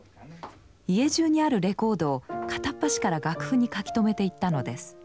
家じゅうにあるレコードを片っ端から楽譜に書き留めていったのです。